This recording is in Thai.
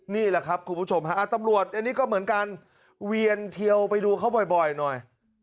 นี่แหละครับคุณผู้ชมฮะตำรวจอันนี้ก็เหมือนกันเวียนเทียวไปดูเขาบ่อยหน่อย